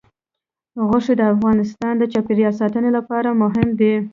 غوښې د افغانستان د چاپیریال ساتنې لپاره مهم دي.